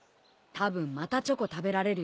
たぶんまたチョコ食べられるよ。